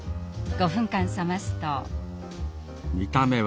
５分間冷ますと。